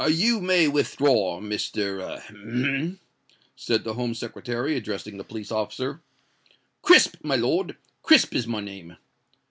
"You may withdraw, Mr.——ahem?" said the Home Secretary, addressing the police officer. "Crisp, my lord—Crisp is my name."